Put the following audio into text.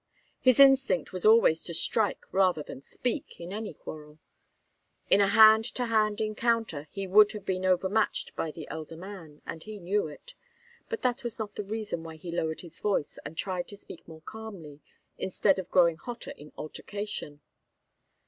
His instinct was always to strike rather than speak, in any quarrel. In a hand to hand encounter he would have been overmatched by the elder man, and he knew it. But that was not the reason why he lowered his voice and tried to speak more calmly, instead of growing hotter in altercation.